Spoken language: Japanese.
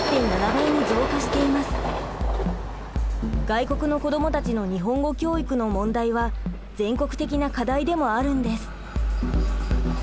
外国の子どもたちの日本語教育の問題は全国的な課題でもあるんです。